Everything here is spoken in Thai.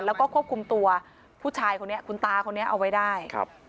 แล้วก็ควบคุมตัวผู้ชายคนนี้คุณตาคนนี้เอาไว้ได้ครับ